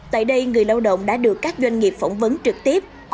tại đây người lao động đã được các doanh nghiệp phỏng vấn trực tiếp